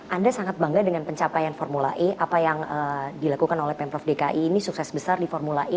anda sangat bangga dengan pencapaian formula e apa yang dilakukan oleh pemprov dki ini sukses besar di formula e